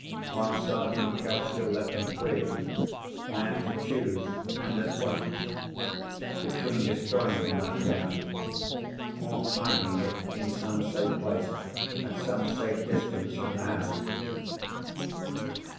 While Sergeant Cuff still left me free, I had to choose—and at once—between destroying the nightgown, or hiding it in some safe place, at some safe distance from the house.